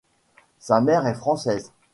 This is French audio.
Sa mère est française.